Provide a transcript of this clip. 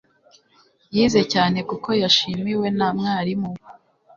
yize cyane kuko yashimiwe na mwarimu we